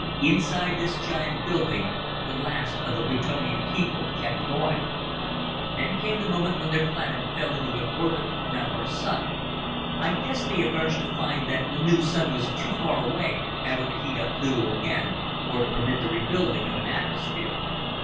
Inside this giant building the last of the Plutonian people kept going. "Then came the moment when their planet fell into an orbit around our Sun. I'd guess they emerged to find that the new Sun was too far away ever to heat up Pluto again, or to permit the rebuilding of an atmosphere.